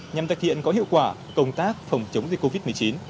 nhằm giải thiện có hiệu quả công tác phòng chống dịch covid một mươi chín